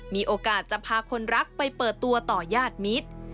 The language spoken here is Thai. มีโอกาสจะพาคนรักไปเปิดตัวต่อญาติมิตร